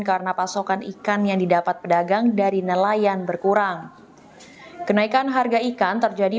karena pasokan ikan yang didapat pedagang dari nelayan berkurang kenaikan harga ikan terjadi